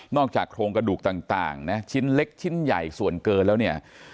อกจากโครงกระดูกต่างนะชิ้นเล็กชิ้นใหญ่ส่วนเกินแล้วเนี่ย